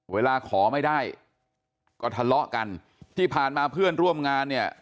เวลาขอไม่ได้ก็ทะเลาะกันที่ผ่านมาเพื่อนร่วมงานเนี่ย